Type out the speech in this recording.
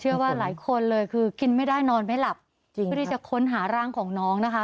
หลายคนเลยคือกินไม่ได้นอนไม่หลับจริงเพื่อที่จะค้นหาร่างของน้องนะคะ